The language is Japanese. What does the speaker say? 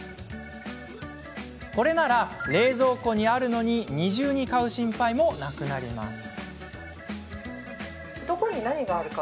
これなら冷蔵庫にあるのに二重に買う心配もなくなります。